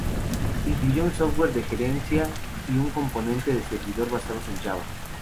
Incluye un software de gerencia y un componente de servidor basados en Java.